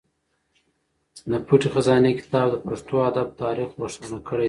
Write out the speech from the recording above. د پټې خزانې کتاب د پښتو ادب تاریخ روښانه کړی دی.